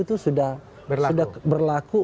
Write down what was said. itu sudah berlaku